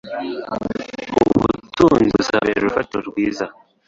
b ubutunzi buzababera urufatiro rwiza